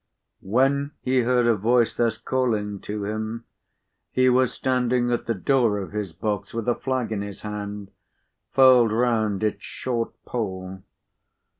When he heard a voice thus calling to him, he was standing at the door of his box, with a flag in his hand, furled round its short pole.